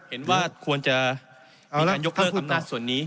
เห็นว่าควรจะมีการยกเลิกอำนาจส่วนนี้